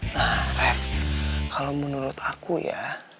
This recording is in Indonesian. nah ref kalau menurut aku ya